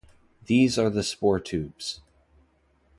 These are the spore tubes.